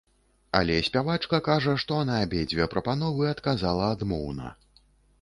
Але спявачка кажа, што на абедзве прапановы адказала адмоўна.